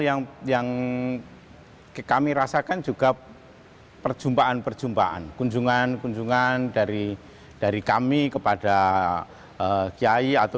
yang yang kami rasakan juga perjumpaan perjumpaan kunjungan kunjungan dari dari kami kepada kiai atau